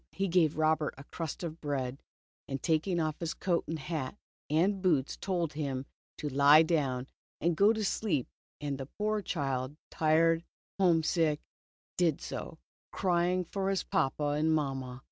He gave Robert a crust of bread, and takinor off his coat and hat and boots told him to lie down, and go to sleep, and the poor child, 2o6 Red Boots. tired and homesick, did so, crying for his papa and mamma.